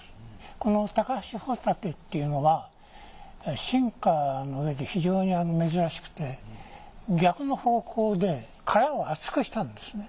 このタカハシホタテっていうのは進化の上で非常に珍しくて逆の方向で殻を厚くしたんですね。